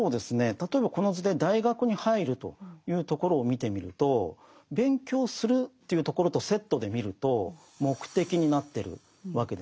例えばこの図で大学に入るというところを見てみると勉強するというところとセットで見ると目的になってるわけですね。